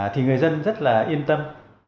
thì người dân rất là yên tâm